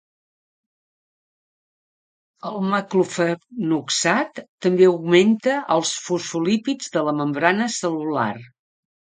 El meclofenoxat també augmenta els fosfolípids de la membrana cel·lular.